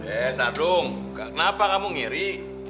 eh sadung kenapa kamu ngiri